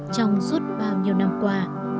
trong suốt bao nhiêu năm qua